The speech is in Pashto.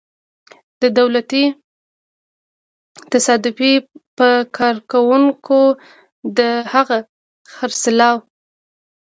د دولتي تصدۍ په کارکوونکو د هغه خرڅلاو.